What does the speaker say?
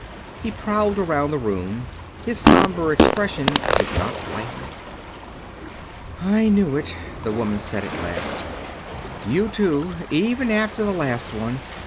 He prowled around the room. His somber expression did not lighten. "I knew it," the woman said at length. "You, too even after the last one....